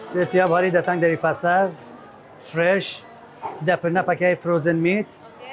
setiap hari datang dari pasar fresh tidak pernah pakai frozen meat